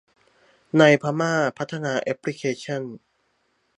ในพม่าพัฒนาแอพพลิเคชั่น